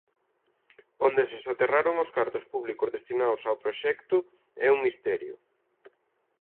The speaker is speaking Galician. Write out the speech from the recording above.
Onde se soterraron os cartos públicos destinados ao proxecto, é un misterio.